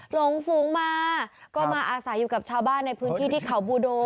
หลงฝูงมาก็มาอาศัยอยู่กับชาวบ้านในพื้นที่ที่เขาบูโด